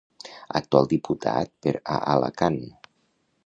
Actual diputat per a Alacant.